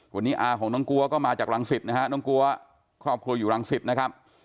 วันนี้อาของน้องกลัวก็มาจากรังสิตนะฮะน้องกลัวครอบครัวอยู่รังสิตนะครับ